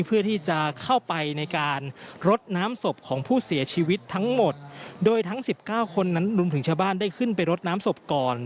เพื่อที่จะเข้าไปในการรดน้ำศพของผู้เสียชีวิตทั้งหมดโดยทั้งสิบเก้าคนนั้นรวมถึงชาวบ้านได้ขึ้นไปรดน้ำศพก่อน